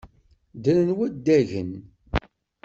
Ddren waddagen.